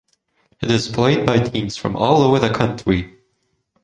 It is played by teams from all over the country.